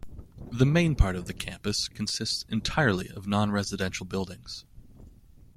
The main part of the campus consists entirely of non-residential buildings.